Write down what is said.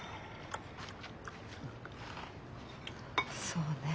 そうね。